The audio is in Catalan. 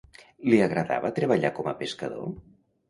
Li agradava treballar com a pescador?